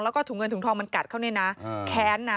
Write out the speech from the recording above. แล้วก็ถุงเงินถุงทองมันกัดเขาเนี่ยนะแค้นนะ